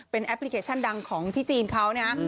แอปพลิเคชันดังของที่จีนเขานะฮะ